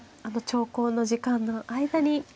あの長考の時間の間に。